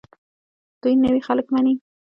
دوی نوي خلک مني.